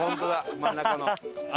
真ん中の。